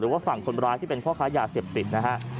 ว่าฝั่งคนร้ายที่เป็นพ่อค้ายาเสพติดนะฮะ